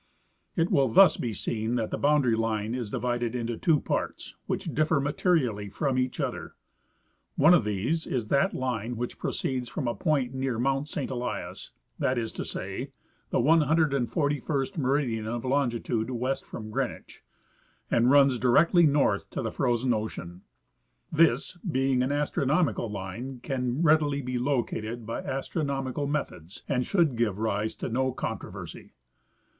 It will thus be seen that the boundary line is divided into two parts which differ materially from each other. One of these is that line which proceeds from a point near mount Saint Elias — that is to say, the 141st meridian of longitude west from Green wich — and runs directly north to the frozen ocean. This, being an astronomical line, can readily be located by astronomical methods and should give rise to no controversy.